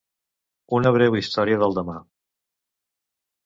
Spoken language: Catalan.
Una breu història del demà.